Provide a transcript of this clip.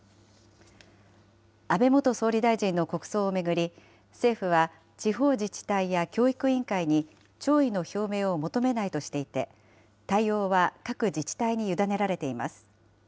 安倍元総理大臣の国葬を巡り、政府は地方自治体や教育委員会に、弔意の表明を求めないとしていて、対応は各自治体に委ねられています。